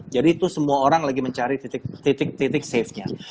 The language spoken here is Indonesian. jadi itu semua orang lagi mencari titik titik savenya